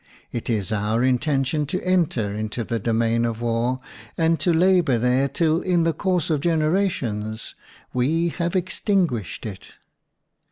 It is our intention to enter into the domain of war and to labor there till in the course of gen erations we have extinguished it.